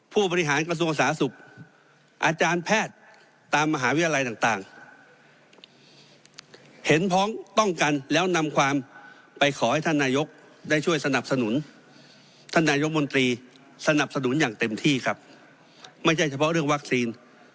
ผู้บริหารกระทรวงสาธารณสุขอาจารย์แพทย์ตามมหาวิทยาลัยต่างเห็นพ้องต้องกันแล้วนำความไปขอให้ท่านนายกได้ช่วยสนับสนุนท่านนายกมนตรีสนับสนุนอย่างเต็มที่ครับไม่ใช่เฉพาะเรื่องวัคซีน